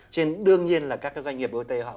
trên đương nhiên là các doanh nghiệp bot họ cũng phải